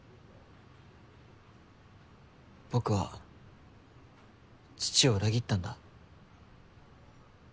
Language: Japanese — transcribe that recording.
僕は父を裏切ったんだ。